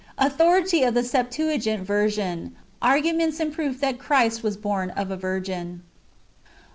Authority of the Septuagint ver sion. Arguments in proof that Christ icas horn of a virgin.